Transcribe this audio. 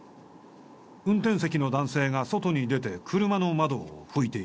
運転席の男性が外に出て車の窓を拭いている。